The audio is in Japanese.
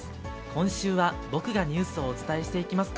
今週は、僕がニュースをお伝えしていきます。